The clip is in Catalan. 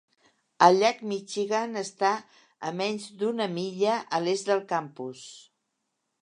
El llac Michigan està a menys d'una milla a l'est del campus.